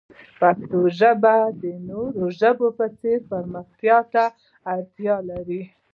پښتو ژبه د نورو ژبو په څیر پرمختګ ته اړتیا لري.